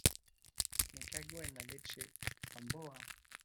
me cago en la leche... ¡ Gamboa!